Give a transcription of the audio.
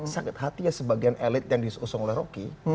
sakit hati sebagian elit yang diusung oleh rocky